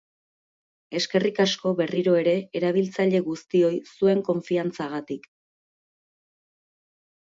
Eskerrik asko, berriro ere, erabiltzaile guztioi zuen konfiantzagatik.